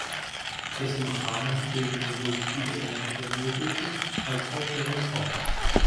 Dessen Umrahmung bilden sowohl Stilelemente der Neogotik als auch der Renaissance.